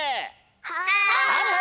はい！